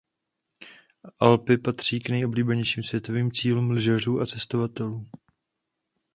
Alpy patří k nejoblíbenějším světovým cílům lyžařů a cestovatelů.